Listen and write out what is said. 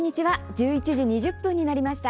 １１時２０分になりました。